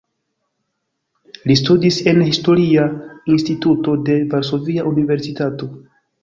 Li studis en Historia Instituto de Varsovia Universitato.